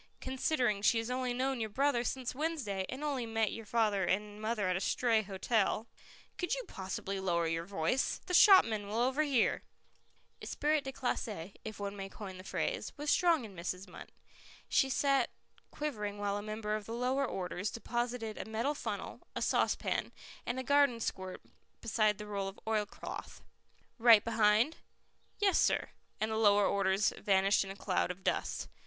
"Considering she has only known your brother since Wednesday, and only met your father and mother at a stray hotel " "Could you possibly lower your voice? The shopman will overhear." "Esprit de classe" if one may coin the phrase was strong in Mrs. Munt. She sat quivering while a member of the lower orders deposited a metal funnel, a saucepan, and a garden squirt beside the roll of oilcloth. "Right behind?" "Yes, sir." And the lower orders vanished in a cloud of dust.